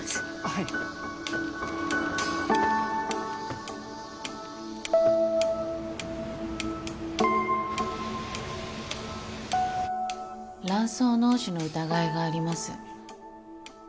はい卵巣嚢腫の疑いがあります